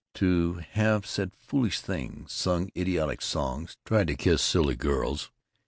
To have said foolish things, sung idiotic songs, tried to kiss silly girls!